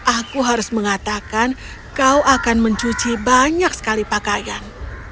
aku harus mengatakan kau akan mencuci banyak sekali pakaian